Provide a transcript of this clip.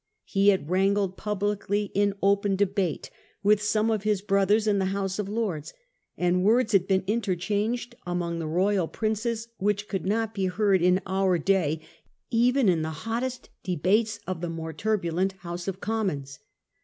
He had wrangled publicly, in open debate, with some of his brothers in the House of Lords; and words had been inter changed among the royal princes which could not be heard in our day even in the hottest debates of the more turbulent House of Commons.